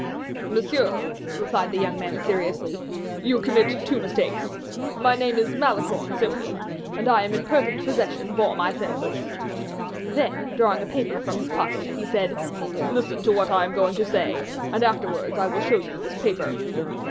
"Monsieur," replied the young man, seriously, "you commit two mistakes. My name is Malicorne, simply; and I am in perfect possession of all my senses." Then, drawing a paper from his pocket, he said, "Listen to what I am going to say; and afterwards, I will show you this paper."